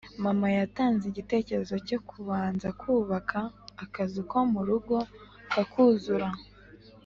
mama yatanze igitekerezo cyo kubanza kubaka akazu ko mu rugo, kakuzura